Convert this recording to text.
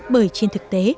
bởi trên thực tế